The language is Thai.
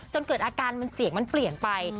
จนเกิดอาการเสียงเปลี่ยนไป